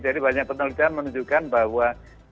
jadi banyak penelitian menunjukkan bahwa